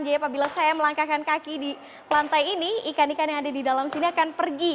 jadi apabila saya melangkahkan kaki di lantai ini ikan ikan yang ada di dalam sini akan pergi